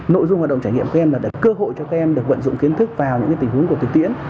nội dung hoạt động trải nghiệm các em là cơ hội cho các em được vận dụng kiến thức vào những tình huống của thực tiễn